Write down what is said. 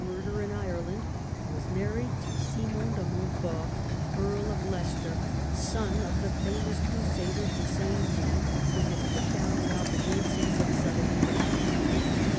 murder in Ireland, was married to Simon de Montfort, Earl of Leicester, son of the famous crusader of the same name, who had put down the Albigenses of Southern France.